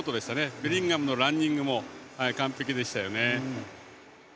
ベリンガムのランニングも完璧でしたよね。